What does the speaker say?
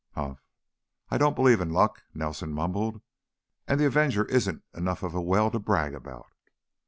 "Humph! I don't believe in luck," Nelson mumbled. "And the Avenger isn't enough of a well to brag about."